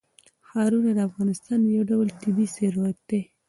ښارونه د افغانستان یو ډول طبعي ثروت دی.